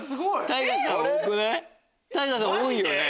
ＴＡＩＧＡさん多くない？